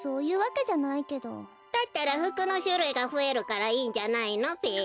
だったらふくのしゅるいがふえるからいいんじゃないのべ。